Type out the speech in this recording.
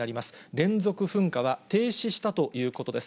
連続噴火は停止したということです。